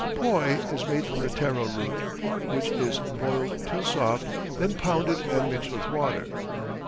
Poi is made from the taro root, which is boiled till soft, then pounded and mixed with water.